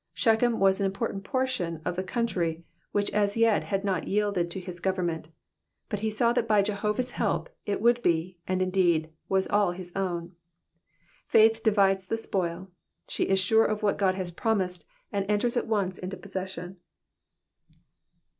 Shechem was an important portion of the country which as yet had not yielded to his government ; but he saw that by Jehovah's help it would be, and indeed was all his own. Faith divides the spoil, she is sure of what God has promised, and enters at once into possession.